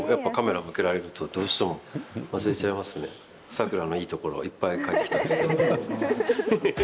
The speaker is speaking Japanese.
サクラのいいところいっぱい書いてきたんですけど。